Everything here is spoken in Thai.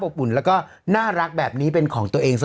สีวิต้ากับคุณกรนิดหนึ่งดีกว่านะครับแฟนแห่เชียร์หลังเห็นภาพ